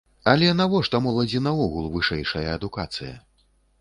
Але навошта моладзі наогул вышэйшая адукацыя?